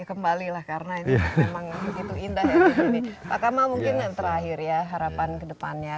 kembalilah karena ini memang begitu indah ya pak kamal mungkin terakhir ya harapan kedepannya